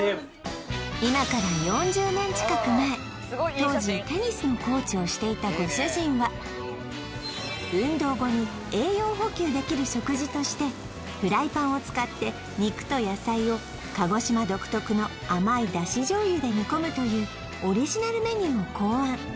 今から４０年近く前当時テニスのコーチをしていたご主人は運動後に栄養補給できる食事としてフライパンを使って肉と野菜を鹿児島独特の甘い出汁醤油で煮込むというオリジナルメニューを考案